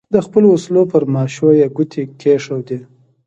د خپلو وسلو پر ماشو یې ګوتې کېښودې.